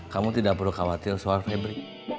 kamu tidak perlu khawatir soal febri